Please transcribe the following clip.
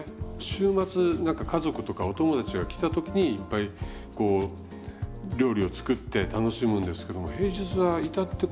週末なんか家族とかお友達が来た時にいっぱいこう料理を作って楽しむんですけども平日は至って